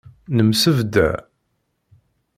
Nemsebḍa.